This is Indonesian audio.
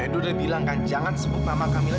edo udah bilang kan jangan sebut nama kamila